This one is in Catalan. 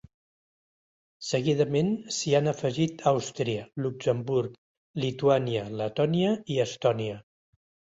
Seguidament s’hi han afegit Àustria, Luxemburg, Lituània, Letònia i Estònia.